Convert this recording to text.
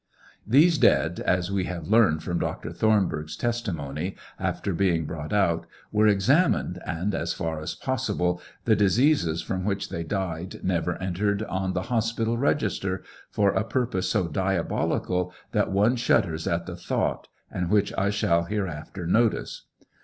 These dead, as we have learned from Dr. Thornburgh's testimony, after being brought ,out, were examined and, as far as possible, the diseases from which they died never entered on the hospital register, for a purpose so diabolical that one shudders at the thought, and which 1 shall hereafter notice.